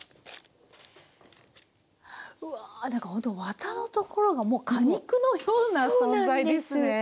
うわなんかほんとワタのところがもう果肉のような存在ですね。